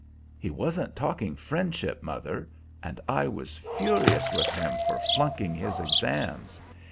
"He wasn't talking friendship, mother, and I was furious with him for flunking his exams.